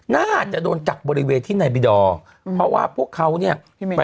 น่าจะโดนกักบริเวณที่นายบิดอร์เพราะว่าพวกเขาเนี่ย